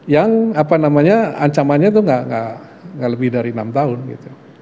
yang apa namanya ancamannya itu nggak lebih dari enam tahun gitu